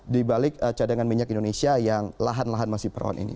di balik cadangan minyak indonesia yang lahan lahan masih peron ini